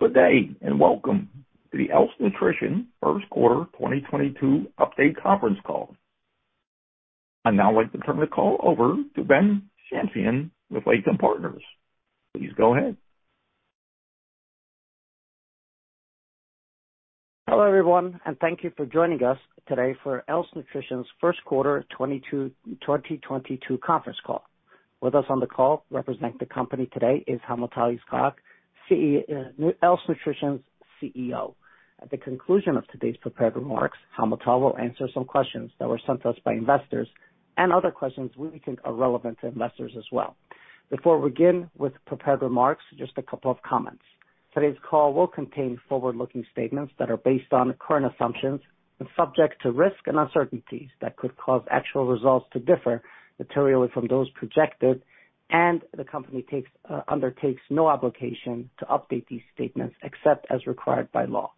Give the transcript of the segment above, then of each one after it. Good day, and welcome to the Else Nutrition first quarter 2022 update conference call. I'd now like to turn the call over to Ben Kaplan with Lytham Partners. Please go ahead. Hello, everyone, and thank you for joining us today for Else Nutrition's first quarter 2022 conference call. With us on the call representing the company today is Hamutal Yitzhak, Else Nutrition's CEO. At the conclusion of today's prepared remarks, Hamutal will answer some questions that were sent to us by investors and other questions we think are relevant to investors as well. Before we begin with prepared remarks, just a couple of comments. Today's call will contain forward-looking statements that are based on current assumptions and subject to risks and uncertainties that could cause actual results to differ materially from those projected, and the company undertakes no obligation to update these statements except as required by law.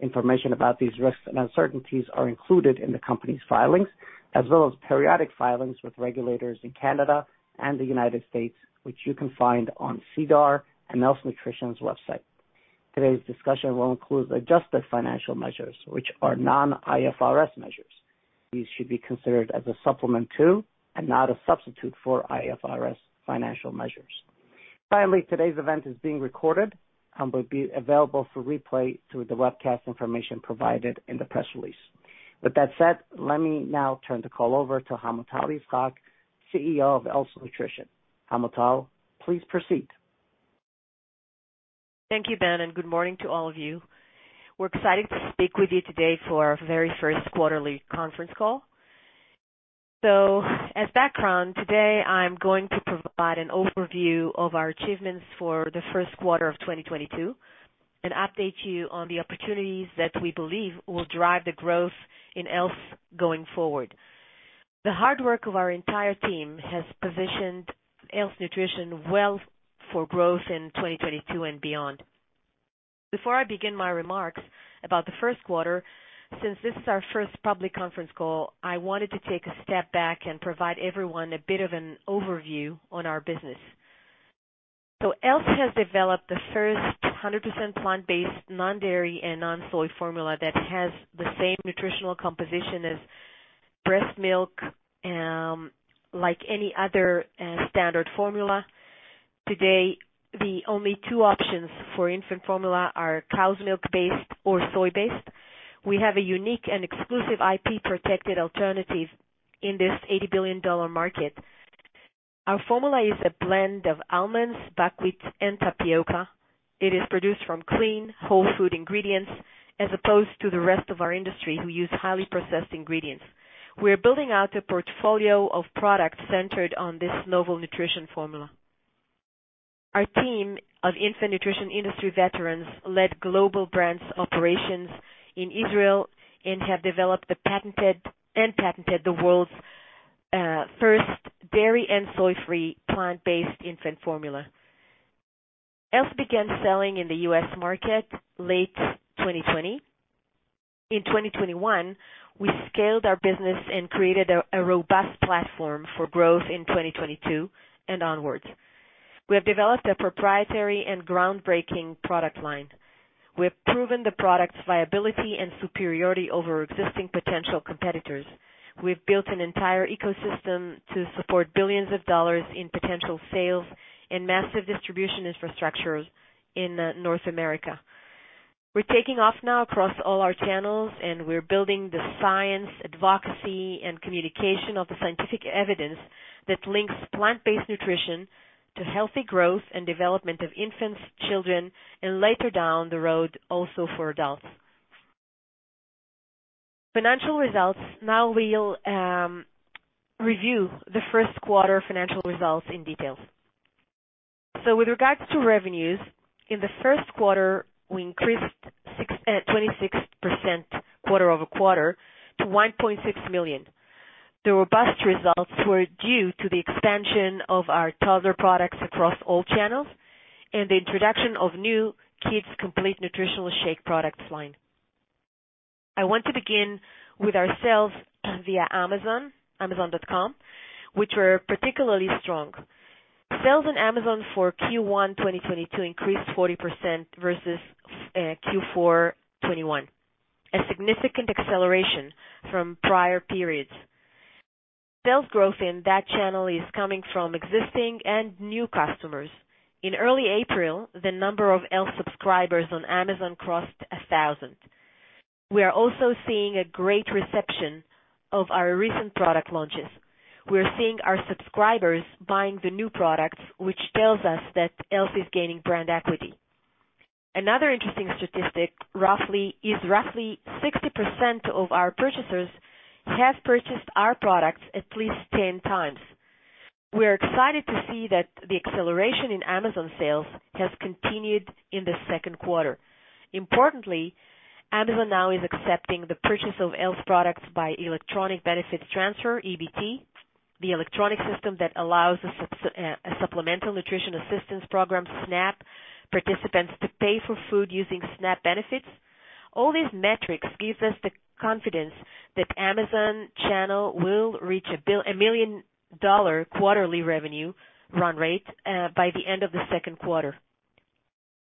Information about these risks and uncertainties are included in the company's filings as well as periodic filings with regulators in Canada and the United States, which you can find on SEDAR and Else Nutrition's website. Today's discussion will include adjusted financial measures, which are non-IFRS measures. These should be considered as a supplement to and not a substitute for IFRS financial measures. Finally, today's event is being recorded and will be available for replay through the webcast information provided in the press release. With that said, let me now turn the call over to Hamutal Yitzhak, CEO of Else Nutrition. Hamutal, please proceed. Thank you, Ben, and good morning to all of you. We're excited to speak with you today for our very first quarterly conference call. As background, today, I'm going to provide an overview of our achievements for the first quarter of 2022 and update you on the opportunities that we believe will drive the growth in Else going forward. The hard work of our entire team has positioned Else Nutrition well for growth in 2022 and beyond. Before I begin my remarks about the first quarter, since this is our first public conference call, I wanted to take a step back and provide everyone a bit of an overview on our business. Else has developed the first 100% plant-based, non-dairy, and non-soy formula that has the same nutritional composition as breast milk, like any other, standard formula. Today, the only two options for infant formula are cow's milk-based or soy-based. We have a unique and exclusive IP-protected alternative in this $80 billion market. Our formula is a blend of almonds, buckwheat, and tapioca. It is produced from clean, whole food ingredients, as opposed to the rest of our industry, who use highly processed ingredients. We're building out a portfolio of products centered on this novel nutrition formula. Our team of infant nutrition industry veterans led global brands operations in Israel and have developed and patented the world's first dairy and soy-free plant-based infant formula. Else began selling in the U.S. market late 2020. In 2021, we scaled our business and created a robust platform for growth in 2022 and onwards. We have developed a proprietary and groundbreaking product line. We have proven the product's viability and superiority over existing potential competitors. We've built an entire ecosystem to support billions of dollars in potential sales and massive distribution infrastructures in North America. We're taking off now across all our channels, and we're building the science, advocacy, and communication of the scientific evidence that links plant-based nutrition to healthy growth and development of infants, children, and later down the road, also for adults. Financial results. Now we'll review the first quarter financial results in detail. With regards to revenues, in the first quarter, we increased 26% quarter-over-quarter to 1.6 million. The robust results were due to the expansion of our toddler products across all channels and the introduction of new kids' complete nutritional shake products line. I want to begin with our sales via Amazon, amazon.com, which were particularly strong. Sales on Amazon for Q1 2022 increased 40% versus Q4 2021, a significant acceleration from prior periods. Sales growth in that channel is coming from existing and new customers. In early April, the number of Else subscribers on Amazon crossed 1,000. We are also seeing a great reception of our recent product launches. We're seeing our subscribers buying the new products, which tells us that Else is gaining brand equity. Another interesting statistic, roughly 60% of our purchasers have purchased our products at least 10 times. We're excited to see that the acceleration in Amazon sales has continued in the second quarter. Importantly, Amazon now is accepting the purchase of Else products by electronic benefits transfer, EBT, the electronic system that allows the Supplemental Nutrition Assistance Program, SNAP, participants to pay for food using SNAP benefits. All these metrics gives us the confidence that Amazon channel will reach a $1 million quarterly revenue run rate by the end of the second quarter.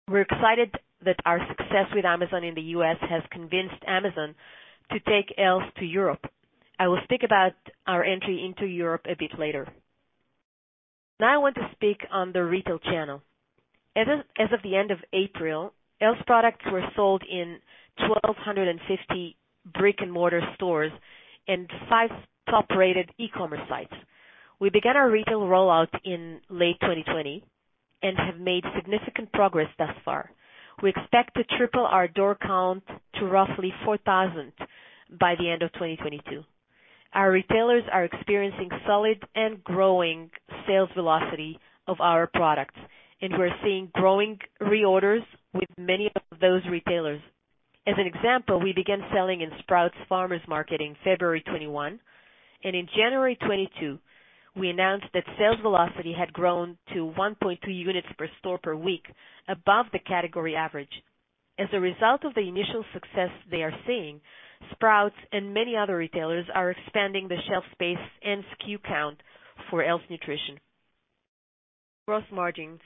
We're excited that our success with Amazon in the U.S. has convinced Amazon to take Else to Europe. I will speak about our entry into Europe a bit later. Now I want to speak on the retail channel. As of the end of April, Else products were sold in 1,250 brick-and-mortar stores and five top-rated e-commerce sites. We began our retail rollout in late 2020 and have made significant progress thus far. We expect to triple our door count to roughly 4,000 by the end of 2022. Our retailers are experiencing solid and growing sales velocity of our products, and we're seeing growing reorders with many of those retailers. As an example, we began selling in Sprouts Farmers Market in February 2021, and in January 2022, we announced that sales velocity had grown to 1.2 units per store per week above the category average. As a result of the initial success they are seeing, Sprouts and many other retailers are expanding the shelf space and SKU count for Else Nutrition. Gross margins.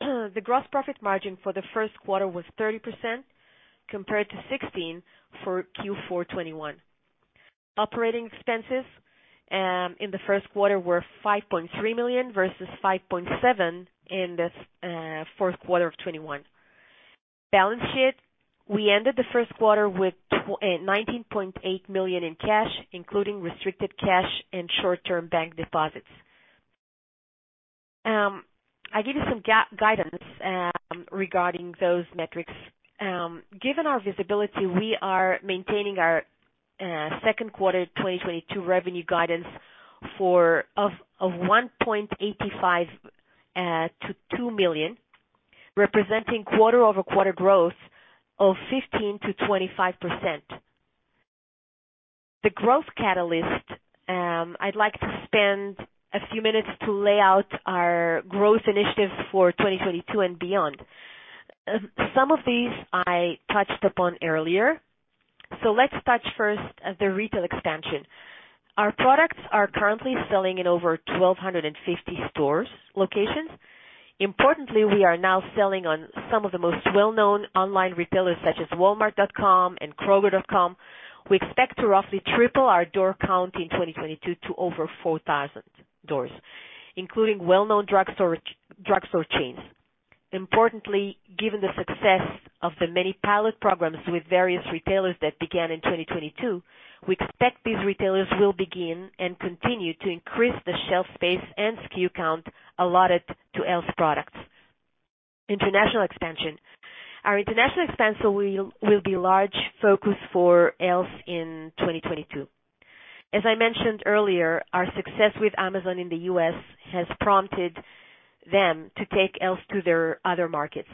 The gross profit margin for the first quarter was 30% compared to 16% for Q4 2021. Operating expenses in the first quarter were 5.3 million versus 5.7 million in the fourth quarter of 2021. Balance sheet. We ended the first quarter with 19.8 million in cash, including restricted cash and short-term bank deposits. I'll give you some guidance regarding those metrics. Given our visibility, we are maintaining our second quarter 2022 revenue guidance for 1.85 million-2 million, representing quarter-over-quarter growth of 15%-25%. The growth catalyst. I'd like to spend a few minutes to lay out our growth initiatives for 2022 and beyond. Some of these I touched upon earlier. Let's touch first at the retail expansion. Our products are currently selling in over 1,250 store locations. Importantly, we are now selling on some of the most well-known online retailers such as Walmart.com and Kroger.com. We expect to roughly triple our door count in 2022 to over 4,000 doors, including well-known drugstore chains. Importantly, given the success of the many pilot programs with various retailers that began in 2022, we expect these retailers will begin and continue to increase the shelf space and SKU count allotted to Else products. International expansion. Our international expansion will be a large focus for Else in 2022. As I mentioned earlier, our success with Amazon in the U.S. has prompted them to take Else to their other markets.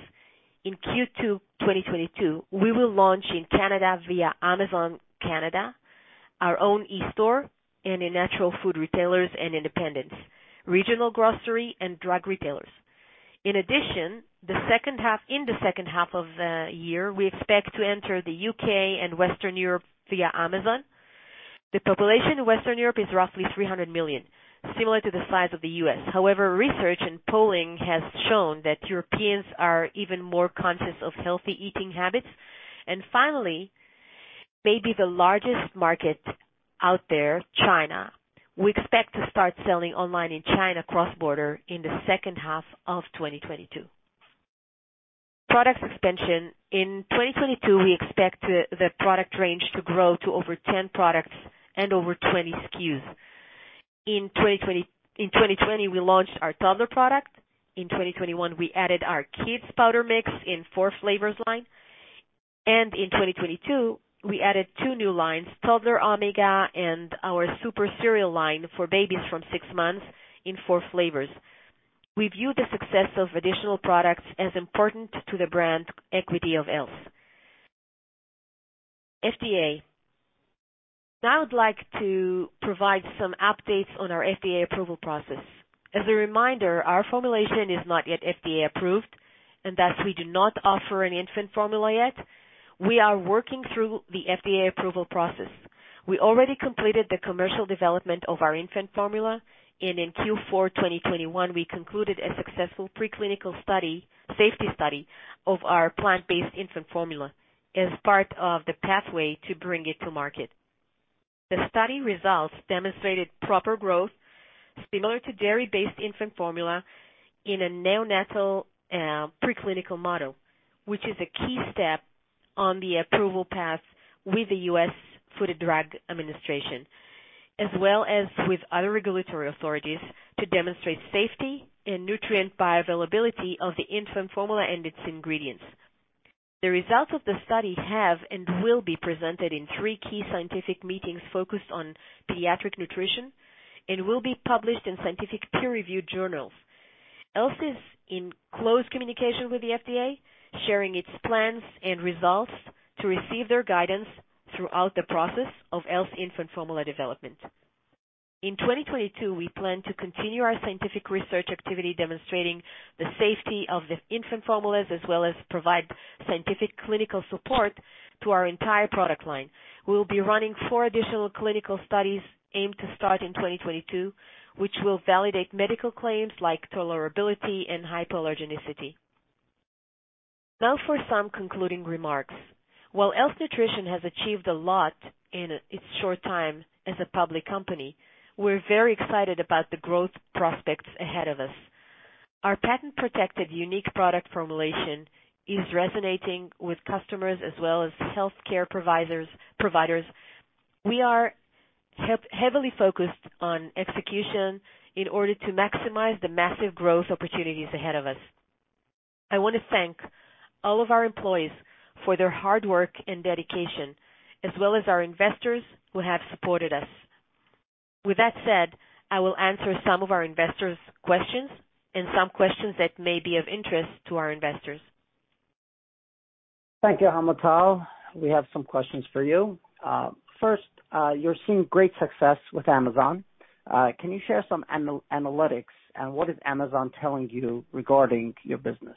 In Q2 2022, we will launch in Canada via Amazon Canada, our own e-store, and in natural food retailers and independents, regional grocery and drug retailers. In addition, in the second half of the year, we expect to enter the U.K. and Western Europe via Amazon. The population in Western Europe is roughly 300 million, similar to the size of the U.S. However, research and polling has shown that Europeans are even more conscious of healthy eating habits. Finally, maybe the largest market out there, China. We expect to start selling online in China cross-border in the second half of 2022. Product expansion. In 2022, we expect the product range to grow to over 10 products and over 20 SKUs. In 2020, we launched our toddler product. In 2021, we added our kids powder mix in four flavors line. In 2022, we added two new lines, Toddler Omega and our Super Cereal line for babies from six months in four flavors. We view the success of additional products as important to the brand equity of Else. FDA. Now I would like to provide some updates on our FDA approval process. As a reminder, our formulation is not yet FDA approved, and thus we do not offer an infant formula yet. We are working through the FDA approval process. We already completed the commercial development of our infant formula, and in Q4 2021, we concluded a successful preclinical study, safety study of our plant-based infant formula as part of the pathway to bring it to market. The study results demonstrated proper growth similar to dairy-based infant formula in a neonatal, preclinical model, which is a key step on the approval path with the U.S. Food and Drug Administration, as well as with other regulatory authorities to demonstrate safety and nutrient bioavailability of the infant formula and its ingredients. The results of the study have and will be presented in three key scientific meetings focused on pediatric nutrition and will be published in scientific peer-reviewed journals. Else Nutrition is in close communication with the FDA, sharing its plans and results to receive their guidance throughout the process of Else Infant Formula development. In 2022, we plan to continue our scientific research activity demonstrating the safety of the infant formulas, as well as provide scientific clinical support to our entire product line. We'll be running four additional clinical studies aimed to start in 2022, which will validate medical claims like tolerability and hypoallergenicity. Now for some concluding remarks. While Else Nutrition has achieved a lot in its short time as a public company, we're very excited about the growth prospects ahead of us. Our patent-protected unique product formulation is resonating with customers as well as healthcare providers. We are heavily focused on execution in order to maximize the massive growth opportunities ahead of us. I want to thank all of our employees for their hard work and dedication, as well as our investors who have supported us. With that said, I will answer some of our investors' questions and some questions that may be of interest to our investors. Thank you, Hamutal. We have some questions for you. First, you're seeing great success with Amazon. Can you share some analytics? What is Amazon telling you regarding your business?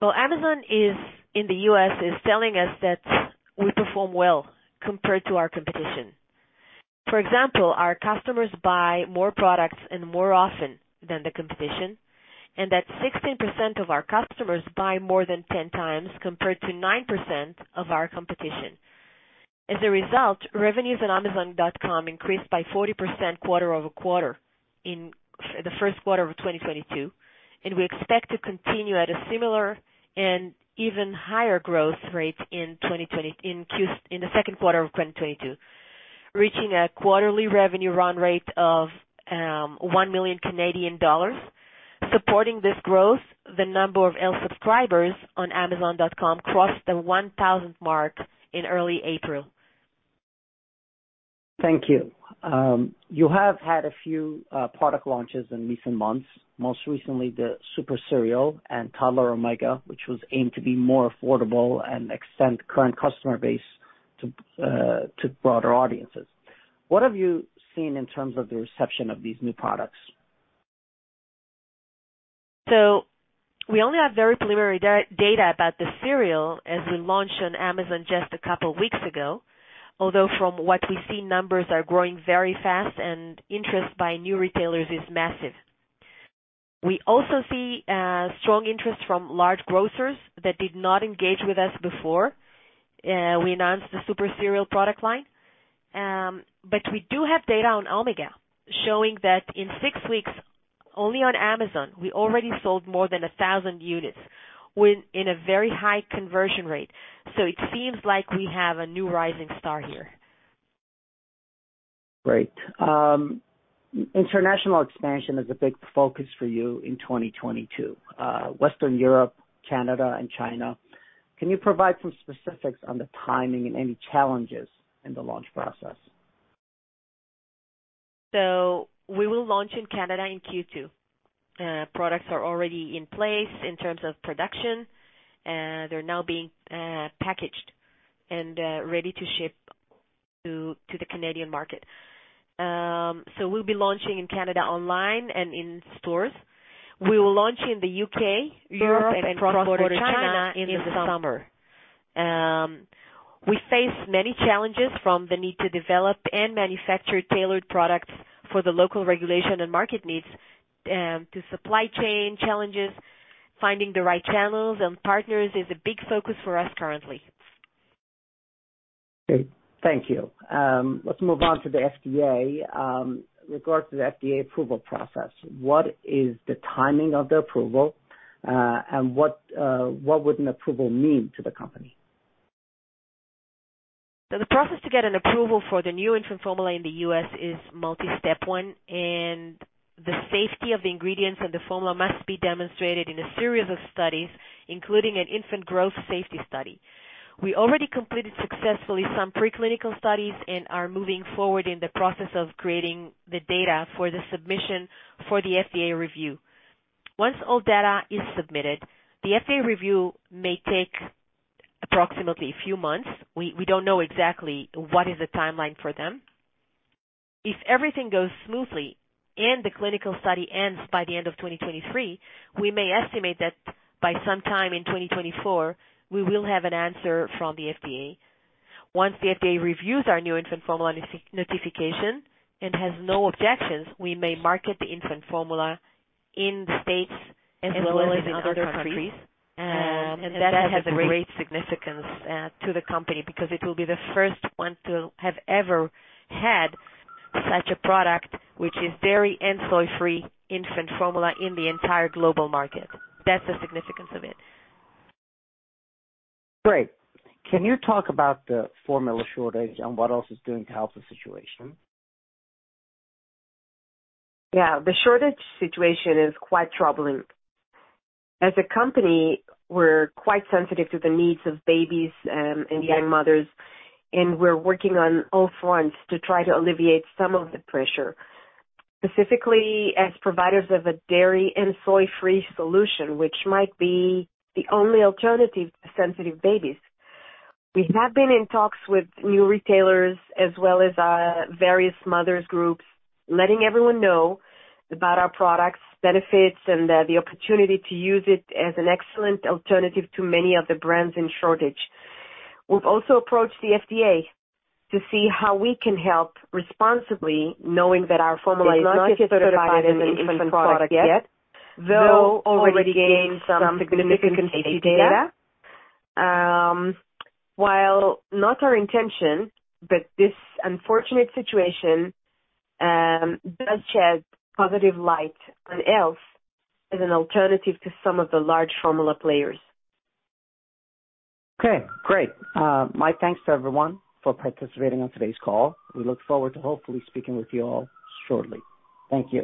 Well, Amazon is in the US telling us that we perform well compared to our competition. For example, our customers buy more products and more often than the competition, and that 16% of our customers buy more than 10 times, compared to 9% of our competition. As a result, revenues on amazon.com increased by 40% quarter-over-quarter in the first quarter of 2022, and we expect to continue at a similar and even higher growth rate in the second quarter of 2022, reaching a quarterly revenue run rate of 1 million Canadian dollars. Supporting this growth, the number of Else subscribers on amazon.com crossed the 1,000th mark in early April. Thank you. You have had a few product launches in recent months, most recently the Super Cereal and Toddler Omega, which was aimed to be more affordable and extend current customer base to broader audiences. What have you seen in terms of the reception of these new products? We only have very preliminary data about the cereal, as we launched on Amazon just a couple weeks ago. Although from what we see, numbers are growing very fast, and interest by new retailers is massive. We also see strong interest from large grocers that did not engage with us before we announced the Super Cereal product line. We do have data on Omega showing that in six weeks, only on Amazon, we already sold more than 1,000 units within a very high conversion rate. It seems like we have a new rising star here. Great. International expansion is a big focus for you in 2022. Western Europe, Canada and China. Can you provide some specifics on the timing and any challenges in the launch process? We will launch in Canada in Q2. Products are already in place in terms of production. They're now being packaged and ready to ship to the Canadian market. We'll be launching in Canada online and in stores. We will launch in the U.K., Europe and cross-border China in the summer. We face many challenges, from the need to develop and manufacture tailored products for the local regulation and market needs, to supply chain challenges. Finding the right channels and partners is a big focus for us currently. Great. Thank you. Let's move on to the FDA. Regarding the FDA approval process, what is the timing of the approval, and what would an approval mean to the company? The process to get an approval for the new infant formula in the U.S. is multi-step one, and the safety of the ingredients and the formula must be demonstrated in a series of studies, including an infant growth safety study. We already completed successfully some preclinical studies and are moving forward in the process of creating the data for the submission for the FDA review. Once all data is submitted, the FDA review may take approximately a few months. We don't know exactly what is the timeline for them. If everything goes smoothly and the clinical study ends by the end of 2023, we may estimate that by sometime in 2024, we will have an answer from the FDA. Once the FDA reviews our new infant formula notification and has no objections, we may market the infant formula in the States as well as in other countries. That has a great significance to the company, because it will be the first one to have ever had such a product, which is dairy and soy-free infant formula in the entire global market. That's the significance of it. Great. Can you talk about the formula shortage and what Else it's doing to help the situation? Yeah. The shortage situation is quite troubling. As a company, we're quite sensitive to the needs of babies and young mothers, and we're working on all fronts to try to alleviate some of the pressure. Specifically as providers of a dairy and soy-free solution, which might be the only alternative to sensitive babies. We have been in talks with new retailers as well as various mothers groups, letting everyone know about our products, benefits, and the opportunity to use it as an excellent alternative to many of the brands in shortage. We've also approached the FDA to see how we can help responsibly, knowing that our formula is not yet certified as an infant product yet, though already gained some significant safety data. While not our intention, but this unfortunate situation does shed positive light on Else as an alternative to some of the large formula players. Okay, great. My thanks to everyone for participating on today's call. We look forward to hopefully speaking with you all shortly. Thank you.